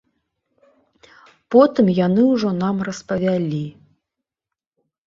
Потым яны ўжо нам распавялі.